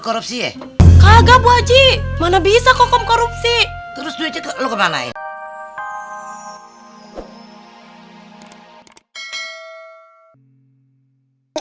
korupsi ya kagak wajib mana bisa kokom korupsi terus duitnya ke lu kemana ini